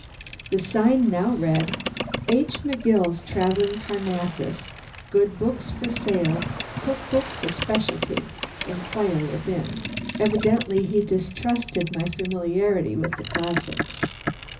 The sign now read: H. MCGILL'S TRAVELLING PARNASSUS GOOD BOOKS FOR SALE COOK BOOKS A SPECIALTY INQUIRE WITHIN Evidently he distrusted my familiarity with the classics.